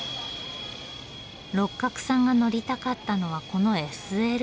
六角さんが乗りたかったのはこのＳＬ。